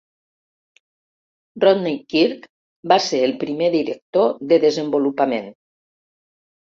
Rodney Kirk va ser el primer director de Desenvolupament.